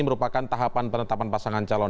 merupakan tahapan penetapan pasangan calon